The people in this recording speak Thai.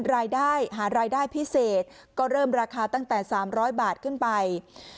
รายได้หารายได้พิเศษก็เริ่มราคาตั้งแต่๓๐๐บาทขึ้นไป